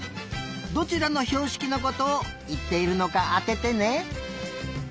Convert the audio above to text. どちらのひょうしきのことをいっているのかあててね。